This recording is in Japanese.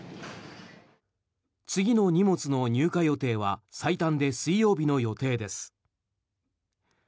次の荷物の入荷予定は最短で水曜日の予定です。